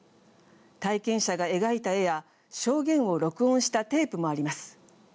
体験者が描いた絵や証言を録音したテープもあります。